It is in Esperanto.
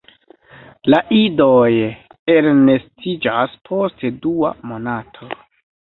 La idoj elnestiĝas post dua monato.